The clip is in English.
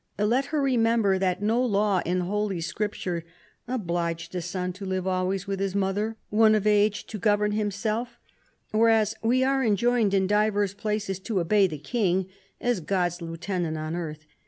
Let her remember that no law in Holy Scripture obliged a son to live always with his mother when of age to govern himself, whereas we are enjoined in divers places to obey the King, as God's lieutenant on earth.